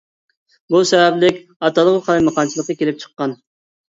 بۇ سەۋەبلىك ئاتالغۇ قالايمىقانچىلىقى كېلىپ چىققان.